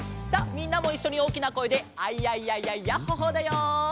みんなもいっしょにおおきなこえで「アイヤイヤイヤイヤッホ・ホー」だよ。